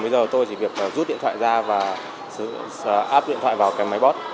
bây giờ tôi chỉ việc rút điện thoại ra và áp điện thoại vào cái máy bót